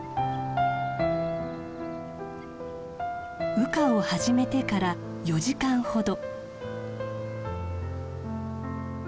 羽化を始めてから４時間ほど。